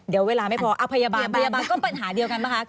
เดี๋ยวเวลาไม่พอพยาบาลก็ปัญหาเดียวกันมั้ยคะ